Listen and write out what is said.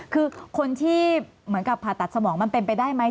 คือคนที่เหมือนกับผ่าตัดสมองมันเป็นไปได้ไหม